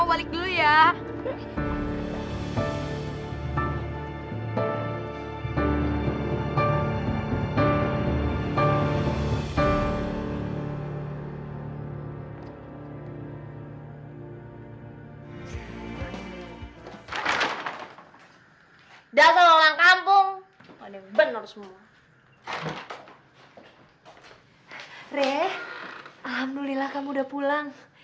alhamdulillah kamu udah pulang